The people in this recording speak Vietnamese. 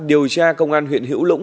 điều tra công an huyện hữu lũng